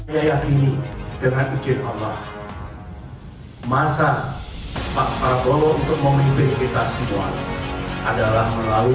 saya yakini dengan izin allah masa pak prabowo untuk memimpin kita semua adalah melalui